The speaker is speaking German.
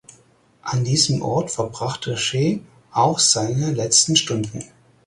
An diesem Ort verbrachte Shew auch seine letzten Stunden.